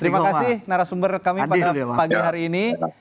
terima kasih narasumber kami pada pagi hari ini